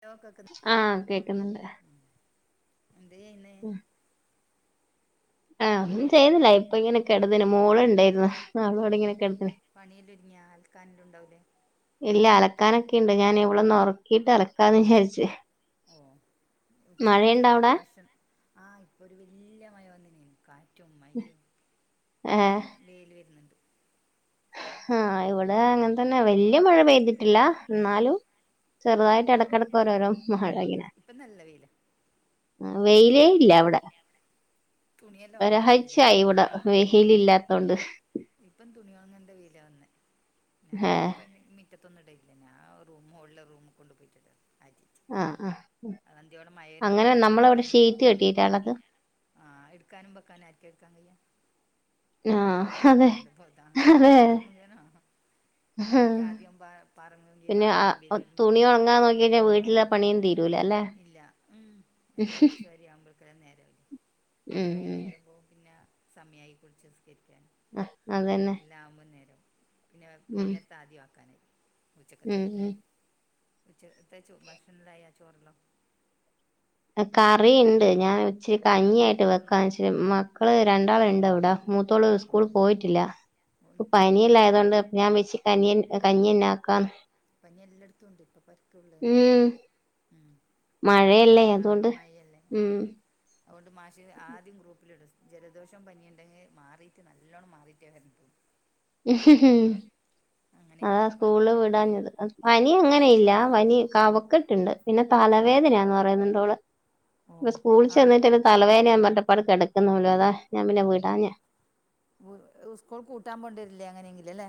hello കേക്കുന്നു ആഹ് കേക്കുന്നുണ്ട് എന്ത ചെയന്നെ ആഹ് ഒന്നും ചെയ്യുന്നില്ല ഇപ്പൊ ഓ ഇങ്ങനൊക്കെടതിന് മോളണ്ടായിരുന്നു അപ്പൊ അവടെ ഇങ്ങനെ കെട്ടാനീൻ പണിയല്ല ഒരിങ്ങിയ ആൽക്കാനല്ലും ഉണ്ടാവില്ലേ ഇല്ല അലക്കാനൊക്കെ ഉണ്ട് ഞാൻ ഇവളൊന്ന് ഉറക്ക ക്കീട്ട് അലക്കാൻ വിചാരിച്ചു ഉച്ചക്ക്ത്തെ അവിടെ ഭക്ഷണം ആഹ് ഇപ്പൊ ഒരു വല്യ മഴ വന്നിന കാറ്റും മഴയും ഇപ്പ ഏഹ് വയില് വരുന്നുണ്ട് ആഹ് ഇവിടെങ്ങനെ തന്നെ വല്യ മഴ പെയ്തിട്ടില്ല എന്നാലും ചെറുതായിട്ട് ഇടക്കിടക്ക് ഓരോ മഴ ഇങ്ങനെ ഇപ്പൊ നല്ല വെയില വെയിലേ ഇല്ല ഇവിടെ തുണിയെല്ലാം ഉണങ്ങേണ്ട വെയില് വന്ന് ഒരാഴ്ചയായി ഇവിടെ വെയിൽ ഇല്ലാത്തോണ്ട് ഇപ്പം തുണി വങ്ങന്റെ വെയിൽ വന്നേ ഞ ഏഹ് റ്റത്തൊന്ന ഇടലില്ല ഞാ റൂം മോളിലെ റൂമ കൊണ്ട് പോയിട്ടിടും അ ആഹ് ആഹ് അന്തിയോടെ മഴ വരുമ്പോ അങ്ങനെ എടുക്കാനും നമ്മളവിടെ വെക്കാനും ഷീറ്റ് കെട്ടിയിട്ടാണത് ആഹ് എടുക്കാനും വെക്കാനും ആരിക്കും എടുക്കാ കയിയ്യ ആഹ് ട്ട അതെ പോണ്ട പോതാ അതെ ഒരിക്കൽ പറാമ്പ നോ ആഹ് ഒറ്റ ആദ്യം പറഞ്ഞോണ്ടന്ന ആദ്യം വലും ബാക്കടണം വീട്ടില പണിയും തീരൂല അല്ലേ ഇല്ല ഉം എല്ലാ അടിച്ചു വരിയാവുമ്പോഴേക്കെല്ലാം നേര ഉം എത്രയോ ഉം നേരം പോകും പിന്നെ സമയായി കുളിച്ച് നിസ്കരിക്കാൻ ആഹ് അതന്നെ ല്ലുമ നേരം പിന്നെ ഉം വൈകുന്നേരത്തെ ആദ്യം ആക്കാനായി ഉച്ചക്കത്തി ഉം ആയിട്ട ഉം ഉച്ചക്കത്തെ ചോറ് ഭക്ഷണ എല്ലാം ആയോ ചോറ് എല്ലോം കറിണ്ട് ഞാൻ ഇച്ചിരി കഞ്ഞിയായിട്ട് വെക്കാച്ചരി മക്കള് രണ്ടാള ഉണ്ട് ഇവിട മൂത്തോള ഓ സ്കൂൾ പോയിട്ടില്ല പ്പ ഒന്നാ പനിയെല്ലായതുകൊണ്ട് ഞാൻ വെച്ച കനിയൻ കഞ്ഞിന്നാക്കാം പനി എല്ലായിടത്തുംണ്ട് ഇപ്പൊ പരക്കള്ളതന്ന് ഉം ഉം ഒരാൾക്ക് വന്ന മഴയല്ലേ ആ അതുകൊണ്ട് മഴയല്ലേ ആഹ ഉം അതുകൊണ്ട് മാഷി ആദ്യം ഗ്രൂപ്പിലിടും ജലദോഷം പനിയ ഉണ്ടെങ്കിൽ മാറിയിട്ട് നല്ലോണ്ണം മാറിയിട്ടേ വരുന്നു അങ്ങനെ അതാ പറയും സ്കൂള് വിടാഞ്ഞത് പനി അങ്ങനെയില്ല വനി കവക്കെട്ടുണ്ട് പിന്നെ ഓ തലവേദനയാന്ന് പറയുന്നുണ്ടോള് ഓ ഇ സ്കൂള ആ ചെന്നിട്ട് തലവേദന എന്നും പറഞ്ഞ കിടക്കുന്നുള്ളല്ലോ അതാ ഞൻ പിന്നെ വീടാ ഞാ സ്കൂൾ കൂട്ടാൻ പോണ്ടിരില്ലേ അങ്ങനെയെങ്കിലും അല്ലേ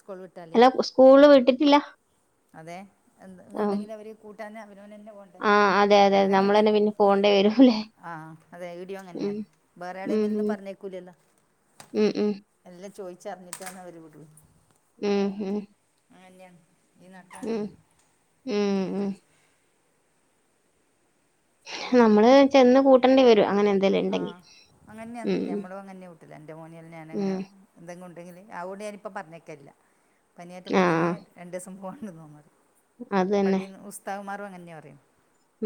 സ്കൂൾ വി അല്ല സ്കൂള് വിട്ടിട്ടില്ല അതെ എന്തെങ്കിലും ആഹ് ണ്ടെങ്കിൽ അവര് കൂട്ടാൻ അഭിനോനന്നെ പോ ആഹ് അതെ അതെ അങ്ങനെയല്ലേ നമ്മളന്നെ പിന്നെ പോണ്ടേ വരൂല്ലേ ആഹ് അതെ ഇവിടെയും അങ്ങനെയാ ഉം ബറള ഉം മിൽന്ന് പറഞ്ഞേക്കൂലല്ലോ ഉം ഉം എല്ലാം ചോദിച്ചറിഞ്ഞിട്ടാണ് അവര് വിടു ഉം ഉം ആന്നെയ ഈ ഉം നട്ടാന്നെ ഉം എല്ലാം ജോ ഉം നമ്മള് ചെന്ന് കൂട്ടേണ്ടി വരും അങ്ങനെ എന്തേലും ആ ഉണ്ടെങ്കി അങ്ങന്നെയാ ഉം ഞമ്മള അങ്ങന്നെയാ കൊട് എൻ്റെ മോനിയൽ ഉം ഞാനിങ്ങനെ എന്തെങ്കും ഉണ്ടെങ്കിൽ ആതോണ്ട് ഞാനിപ്പം പറഞ്ഞേക്കരില്ല പനിയാറ്റം ആഹ് വന്നിണെങ്കി രണ്ട് ദിവസം പോവാണ്ട്ന്നോ ന്നറിം അതന്നെ ഉസ്താവ് മാറും അങ്ങനെയാ പറയും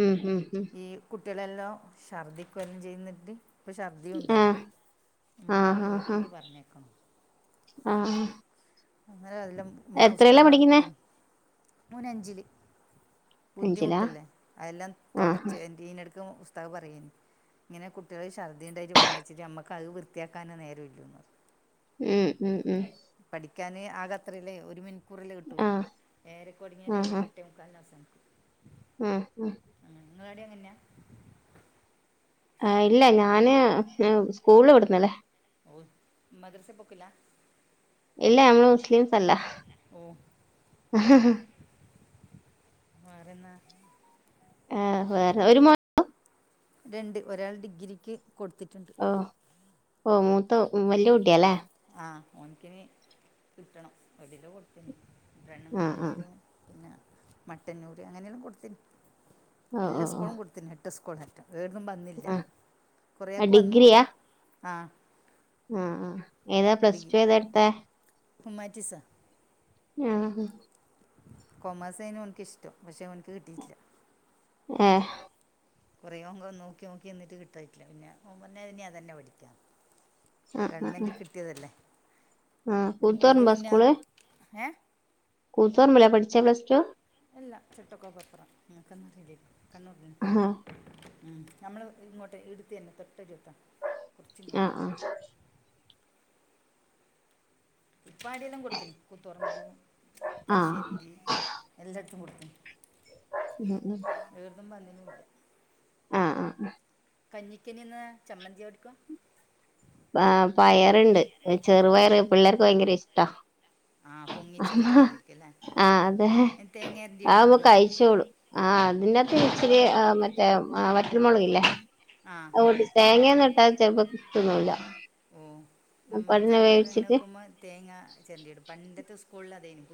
ഉം ഉം ഉം ഈ കുട്ടികളെല്ലാം ഛർദിക്കുവല്ലും ചെയ്യുന്നിട്ട് ഇപ്പൊ ഛർദിയ ഉണ്ടല്ലോ ആഹ് ഉമ്മമാർ ആഹ് ആഹ് ആഹ് നോക്കിട്ട് പറഞ്ഞേക്കണോ ആഹ് ആ അങ്ങനെ അതല്ലാം ഉസ്തകന്മാർക്ക് പഠിക്കുന്നേ ബു മോന അഞ്ചില് അഞ്ചിലാ ബുദ്ധിമുട്ടല്ലേ അല്ലാം തുട ആഹ് നടുക്ക ഉസ്താദ് പറയുന്നു ഇങ്ങനെ കുട്ടികൾ ഛർദ്ദി ഉണ്ടായിട്ട് പറഞ്ഞു വച്ചട്ട് നമ്മക്ക് അത് വൃത്തിയാക്കാനാണ് നേര ഇല്ല ഉം ഉം ഉം പഠിക്കാന് ആക അത്രല്ലേ ഒരു മണിക്കൂറല്ലേ കിട്ടൂലൂ ആഹ് ഏഴരെ തൊടങ്ങിയാല് എട്ടര ക്കാലിന് അവസാനിക്കും ഉം ഉം ആ നിങ്ങളൾഅവടെ അങ്ങനെയാ ആ ഇല്ല ഞാന് സ്കൂളിൽ വിടുന്നല്ല ഓ മദ്രസെ പോക്കില്ല ഇല്ല നമ്മള് മുസ്ലിംസ് അല്ല വേറെന്ന ആ വേറെ ഒരു മോൻ രണ്ട് ഒരാൾ ഡിഗ്രിക്ക് കൊടുത്തിട്ടുണ്ട് ഓ ഓ മൂത്ത വല്യ കുട്ടിയല്ലേ ആഹ് ഓൻക്ക്നി കിട്ടണം എവിടെലോ കൊടുത്ത്ന് റണ്ണും ആഹ് ആഹ് കോളേജിലും പിന്നെ മട്ടന്നുര് അങ്ങനെയല്ലും കൊടുത്തിന് ഓ ഓ എല്ലാ ഓ സ്കൂളും കൊടുത്തിന് എട്ട് സ്കൂളും അറ്റ വേറൊന്നും വന്നില്ല ആഹ് കുറേയൊക്ക് വന്നല്ലോ ഡിഗ്രിയാ ആ ആഹ് ഏതാ പ്ലസ് ടു ഏതാ എടുത്ത ഹുമ്മാറ്റിസം ആഹ് ഹ കൊമേഴ്സെയ്നി ഓൻ.. ത.... ഏ കുറയോ പോ നോക്കി ഓക്കി ഇന്നട്ട് [unintelligible] പിന്നെ ഓൻ പറഞ്ഞ അതന്നെ പഠിക്കാ ആഹ് ഗവൺമെൻ്റ് ആഹ് കിട്ടിയതല്ലേ ആഹ് കിട്ടിയത് കൂത്തുപറമ്പാ പിന്നെ ഏ കൂത്ത് പറമ്പിലാ പഠിച്ചെ പ്ലസ്ടു എല്ല [inaudible] ആഹാ ഉം നമ്മള് ഇങ്ങോട്ട് ഇടുത്തി തന്നെ തൊട്ട അടുത്ത ആ ആ ഉപ്പാടെല്ലാം കൊടുത്തിനി കൂത്തുപറമ്പ് ആഹ് തലശ്ശേരിൽ [unintelligible] ഉം ഉം എട് ന്നും വന്നിനുല്ല ആഹ് ആഹ് കഞ്ഞിക്കിനി ന്നാ ചമ്മന്തി ഓടിക്ക പാ പയറ്ണ്ട് ചെറുപയറ് പിള്ളേർക്ക് ഭയങ്കര ഇഷ്ടാ ആ [unintelligible] പൊങ്ങിച്ചിട്ട് എടുക്കാനിരിക്കും അല്ലേ ആഹ് അതെ തേങ്ങ അരണ്ടി അ ഇടുക ആവുമ്പോ നിങ്ങൾ കയിച്ചോളും ആഹ് അതിന്റെത്ത് ഇച്ചിരി മറ്റേ വറ്റൽ മുളകില്ലെ ആഹ് അഹ് കൂട്ടി തേങ്ങ ഒന്നും ട്ടാ ചെൽപ്പം തിന്നു ല ഓ നമ്മ ചെറുപയർ എങ്ങനെ വേവിച്ചിട്ട് വെക്കുമ്പോ തേങ്ങാ ചെര്ണ്ടിയിടും പണ്ടത്തെ സ്കൂളിൽ അതെ നു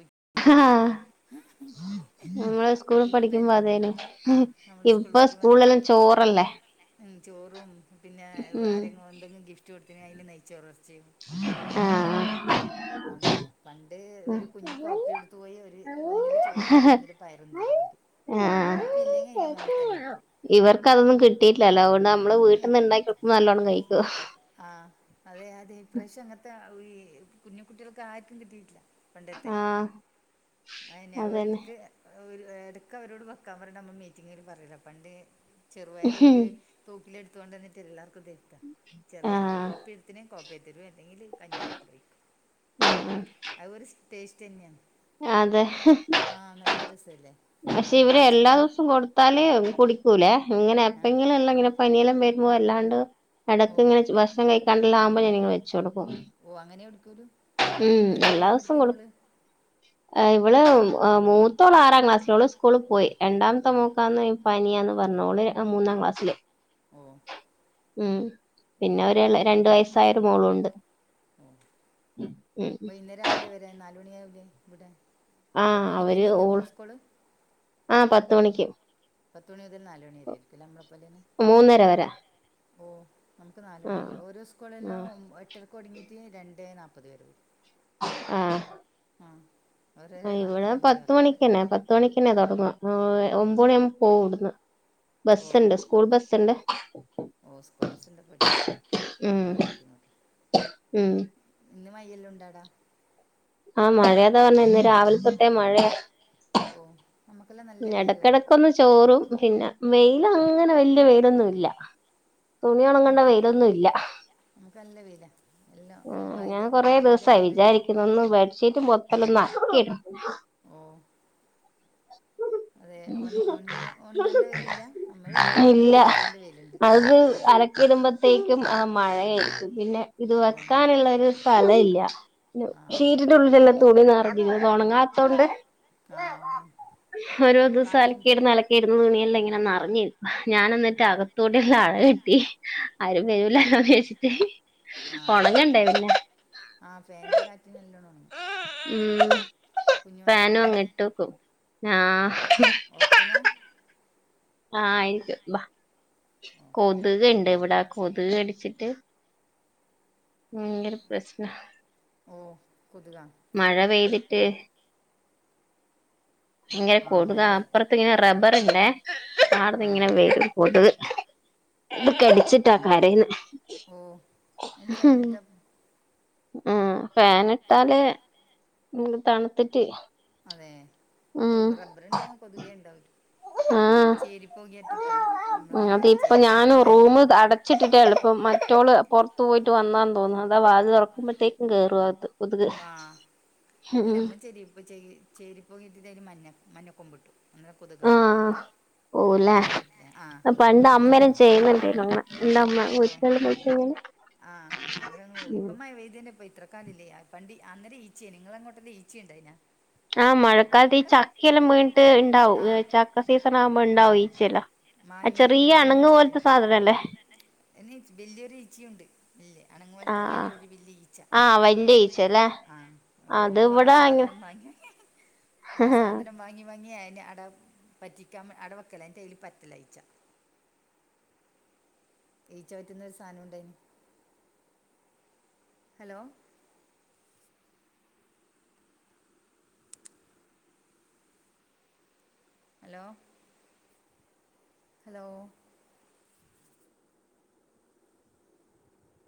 നമ്മള് സ്കൂൾ ഇപ്പ പഠിക്കുമ്പോ അതെ നു ആ നമ്മൾ സ്കൂളിൽ ഇപ്പൊ പഠിക്കുമ്പോ അതാ സ്കൂളെല്ലാം ചോറല്ലേ ചോറും പിന്നെ വേ ഉം ആരങ്ങും എന്തങ്ങും ഗിഫ് റ്റ് കൊടുത്തിനെ അയ്ന് നെയ്ച്ചോറും എർച്ചിം അങ്ങനെ ക്കെ ആ ല്ലേ അതന്നെ പണ്ട് ഒരു കുഞ്ഞു കോപ്പി എടുത്തു പോയി ഒരു ഒന്നിൽ ചോറും തരും ഒന്നിൽ പയറുംതരും ആ കോപ്പി ഇല്ലെങ്കി അയിന്റെ മോളിൽ തന്നെ വയ്ക്കും ഇവർക്ക് അതൊന്നും കിട്ടിയിട്ട് ഇല്ലല്ലോ അതോണ്ട് നമ്മള് വീട്ടിന്ന് ഇണ്ടാക്കികൊടുകുമ്പോ നല്ലോണ്ണം കഴിക്കോ ആഹ് അതെ അതെ ഇപ്രാവശ്യം അങ്ങനത്തെ ഈ കുഞ്ഞു കുട്ടികൾക്ക് ആർക്കും കിട്ടിയിട്ടില്ല പണ്ടത്തെ ആ അഹ എന്നെ അതന്നെ എട്ക്ക് എട്ക്കവരോട് വെക്കാ പറയണ നമ്മ മീറ്റിംഗ് ല് പറ്യ ണ്ണം പണ്ട് ചെറുപയറ് ഒര് തൂക്കില് ട്ത്ത് കൊണ്ടന്ന്ട്ട് എല്ലാർക്കും തരുത്ത ആ ചെറിയ കോപ്പി എടുത്തി നേ കോപ്പി ത്തരും അല്ലെങ്കിൽ കഞ്ഞിൻ്റെപ്പ ഴും അഹ് ഒരു ടേസ്റ്റ് തന്നെയാ ആഹ് അതെ ഹെ ആഹ് നല്ല രസല്ലേ പക്ഷെ ഇവര് എല്ലാ ദിവസവും കൊടുത്താൽ കുടിക്കൂലെ ഇങ്ങനെ ആ എപ്പോഴെങ്കിലും എ ല്ലാ ഇങ്ങനെ പനിയെല്ലാം വരുമ്പോ അല്ലാണ്ട് ഓ ഇടക്ക് ഇങ്ങനെ ഭക്ഷണം കഴിക്കാണ്ടല്ലാ ആകുമോ ഞാൻ ഇങ്ങനെ വെച്ചു കൊടുക്കും ഓ അങ്ങനെ കുടിക്കുളു ഉം എല്ലാ സു കൊടു ഇവള് മുത്തയാള് ആറാം ക്ലാസ്സിലാ ഓള് സ്കൂള് ഓ പോയി രണ്ടാമത്തെ ഓ മോക്കാന്ന് പനിയാന്ന് പറ്ഞ്ഞോ ഓള് മൂന്നാം ക്ലാസ്സില് ഓ ഉം പിന്നെ ഓള് ഒരു ഇളയ പോയിട്ടുണ്ടാവും രണ്ടു അല്ലേ വയസ്സായ ഒരു മോളുണ്ട് [unintelligible] [unintelligible] വൈന്നേരം ആവൂല്ലേ വരാൻ നാലുമണി ആവില്ലേ വിടാൻ ആ പത്ത് അവര് മണിക്ക്ന്നെ ഓൾ ഇങ്ങക്ക് സ്കൂൾ ആ പത്ത് മണിക്ക് പത്ത് മണി മുതൽ നാലുമണി വരെയിരിക്കുല്ലേ നമ്മളെപോലെ ന്നെ മൂന്നര വരെ ഓ നമ്മുക്ക് നാല് ആ മണി വരെ ഓരോ ആ സ്കൂളിലും എട്ടരക്ക് തുടങ്ങിയിട്ട് രണ്ടേ നാൽപത് വരെയും ആഹ് ആഹ് അഹ് ഇവടെ പത്ത് മണിക്ക് തന്നെ പത്ത് മണിക്ക്ന്നെ തൊടങ്ങുവാ ഒമ്പ മണി ആവുമ്പോ പോവും ഇവ്ടന്ന് ബസ് ഓ പോ ഇണ്ട് സ്കൂൾ ബസ് ഇണ്ട് ഓ സ്‌കൂള് ബസ് ണ്ട് ഇമ്പടിണ്ട് അങ്ങോട്ടും ഇങ്ങോട്ടും ഉം ഇന്ന് മയെലൊണ്ടാവ്ടാ ആഹ് മഴയതാ പറഞ്ഞ ഇന്ന് രാവിലെ തൊട്ടേ മഴ ഓ നമ്മക്കെല്ലാം ന എടക്കെടക്കൊന്ന് ചോറും പിന്ന വെയിലങ്ങനെ വല്യ വെയിലൊന്നു ഇല്ല തുണി ഒണങ്ങണ്ട വെയിലൊന്നും ഇല്ല നമ്മക്ക് നല്ല വെയ്ലാ എല്ലാം ബയ്ത ബെയ്ത വള്ളല്ലേ ഇന്നൊന്ന് ബെഡ്ഷീറ്റും മൊത്തോന്ന് അലക്കിട ആഹ് ഉണ ഉണങ്ങ ഉണങ്ങാൻ്റെ വെയിലില്ല നമ്മൾ ഇവിടെ ഉണങ്ങി ഇല്ല പിരിയേണ്ട വെയിലുണ്ട് അത് അല ക്കിട്മ്പത്തേക്കും മഴയായിരിക്കും പിന്നെ ഇത് ഓ വെക്കാന്ള്ളോരു സ്ഥലയില്ല ആ ഷീറ്റിന്റെ ഉള്ളിലെല്ലാം തുണി നെറഞ്ഞ്ന്ന് ഇത് ഒണങ്ങാത്തോണ്ട് ആ ഉണ ഓരോ ദിവസും കാറ്റും അലക്കിയിടുന്ന അലക്കിയിടുന്ന തുണിയെല്ലാം ഇങ്ങനെ നെറഞ്ഞ് ഞാനെന്നിട്ട് അകത്തോട്ള്ള അഴ കെട്ടി ആരും വരൂലല്ലോന്ന് വിചാരിച്ചിട്ട് ആഹ് ഒണങ്ങണ്ടേ പിന്നെ ആഹ് ഫാന്ൻ്റെ കാറ്റിന് നല്ലോണം ഒണങ്ങും ഉം കുഞ്ഞോന് ഫാനും അങ്ങ് കരയുന്ന് ഇട്ട് വെക്കും ആഹ് ഒറക്കിനാ ആഹ് ആയിരിക്കും ബാ കൊത്ക് ഇണ്ട് ഇവടെ കൊത്ക് കടിച്ചിട്ട് ഭയ്ങ്കര പ്രശ്നാ ഓഹ് കൊത്കാ മഴ പെയ്തിട്ട് ഇങ്ങനെ ആഹ് മഴ കൊതുകാ പെയ്ത അപ്പറത്തിങ്ങനെ റബ്ബറ് ഇണ്ടേ ആട്ന്ന് ഇങ്ങനെ ആഹ് വരും കൊത്ക് ഇത് കടിച്ചിട്ടാ കരയ്‌ന്നേ ഓഹ് അയ്ന് ഫാനിട്ടാ ആഹ് ഫാന് ഇട്ടാല് തണ്ത്തിട്ട് അതെ കൊത് റബ്ബറ്ണ്ടെങ്കി കൊതുകേ ഇണ്ടാ ആ ചേരിപ്പൊകെ ഇട്ട്ട്ടൊണ്ട് ഉം നമ്മളങ്ങനെ അല്ലേ ചെരിപ്പോകേല് മന് ച്ചിട്ടിട്ടേള്പ്പം മറ്റോള് പൊറത്ത് പോയിട്ട് വന്നാന്ന് തോന്ന് അതാ വാതില് തൊറക്ക്മ്പത്തേക്കും കേറും അകത്ത് കൊതുക് വാഹ് അല്ല ഉം ഇമ്മേം ചെരിപ് ചെകി ചേരിപ്പൊക ഇട്ടിട്ട് അയില് മഞ്ഞ മഞ്ഞക്കൊമ്പ്ട്ടു അന്നേരം കൊതുകങ്ങ് പോകും ആഹ് പോവുല്ലേ പണ്ട് അമ്മേല്ലോ ആഹ് ചെയ്യ്ന്ന്ണ്ടാരുന്നു ഇങ്ങനെ എൻ്റെ അമ്മ ഓഹ് [unintelligible] ആഹ് ഇന്നലെ അങ്ങ് പോയ് ഉം ഇപ്പം മയ പെയ്തേന് ഇപ്പത്രേ ക്കാനില്ലേ പണ്ടി അന്നേരം ഈച്ചേണി ഇങ്ങളങ്ങോട്ടോന്ന് ഈച്ചണ്ടായ്നൊ ആഹ് മഴക്കാലത്ത് ഈ ചക്കെല്ലാം ബീണിട്ട് ഇണ്ടാവും ആഹ് ഇത് ചക്ക സീസണാവുമ്പോ ഇണ്ടാവും ഈച്ചെല്ലാം ആ മാങ്ങി ചെറിയ അണ്ങ്ങ് പോലത്തെ സാധനല്ലേ എന്നേച്ച് ബെല്ല്യൊര് ഈച്ചയൊണ്ട് ബെല്ല്യ അണ്‌ങ്ങോല്ത്തെ ആഹ് അല്ലാത്തൊരു ബെല്ല്യ ഈച്ച വല്യ ആഹ് ബെല്ല്യ ഈച്ചല്ലേ ഈച്ച ആഹ് അള്ളോ അത് ആ ഇവിടെ സാധനം വാങ്യാ അങ്ങ മാങ്ങി മാങ്ങി അയിന് അട പറ്റിക്കാൻ അടവെക്കലാ ഇന്നെട്ട്യ്ല് പറ്റില്ല ഈച്ച ഈച്ച പറ്റ്ന്നൊരു സാനുണ്ടായിനി ഹലോ ഹലോ ഹലോ